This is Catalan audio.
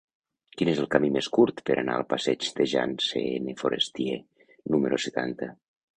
Quin és el camí més curt per anar al passeig de Jean C. N. Forestier número setanta?